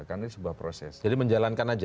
karena ini sebuah proses jadi menjalankan aja